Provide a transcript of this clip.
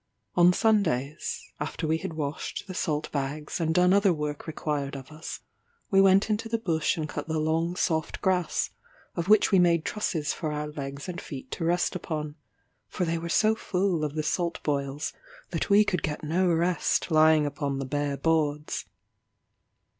On Sundays, after we had washed the salt bags, and done other work required of us, we went into the bush and cut the long soft grass, of which we made trusses for our legs and feet to rest upon, for they were so full of the salt boils that we could get no rest lying upon the bare boards.